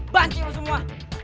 bansi lo semua